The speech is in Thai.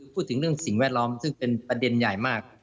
พูดถึงเรื่องสิ่งแวดล้อมซึ่งเป็นประเด็นใหญ่มาก